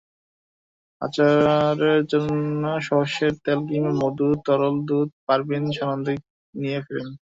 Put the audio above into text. আচারের জন্য সর্ষের তেল কিংবা মধু, তরল দুধ পারভীন সানন্দে নিয়ে ফেরেন।